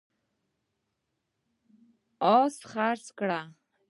آسونه خرڅ کړل.